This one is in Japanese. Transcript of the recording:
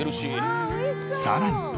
さらに。